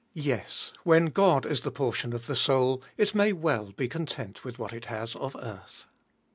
Yes, when God is the portion of the soul, it may well be content with what it has of earth.